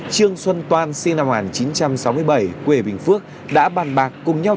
trương xuân toan sinh năm một nghìn chín trăm sáu mươi bảy quê bình phước đã bàn bạc cùng nhau